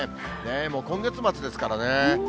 今月末ですからね。